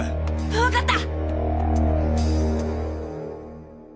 わかった！